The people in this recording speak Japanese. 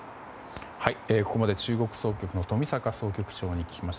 ここまで中国総局の冨坂総局長に聞きました。